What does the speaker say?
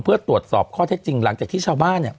เพื่อตรวจสอบข้อเท็จจริงหลังจากที่ชาวบ้านเนี่ย